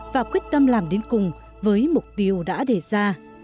và quyết tâm làm đến cùng với mục tiêu đã đề ra